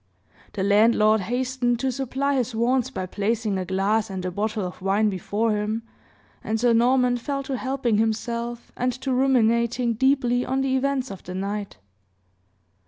The landlord hastened to supply his wants by placing a glass and a bottle of wine before him, and Sir Norman fell to helping himself, and to ruminating deeply on the events of the night.